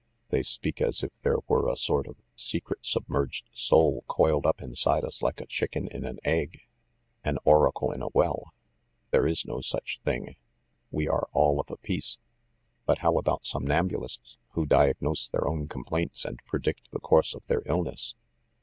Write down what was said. They speak as if there were a sort of secret submerged soul coiled up inside us like a chicken in an egg. An oracle in a well ! There is no such thing. We are all of a piece \" "But how about somnambulists who diagnose their own complaints and predict the course of their ill ness?